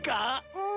うん。